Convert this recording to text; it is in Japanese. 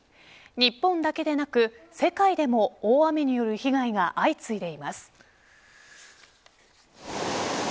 日本だけでなく世界でも大雨による被害が相次いでいます。